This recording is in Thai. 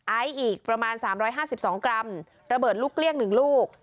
อายอีกประมาณสามร้อยห้าสิบสองกรัมระเบิดลูกเลี่ยงหนึ่งลูก